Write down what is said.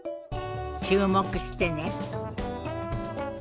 注目してね。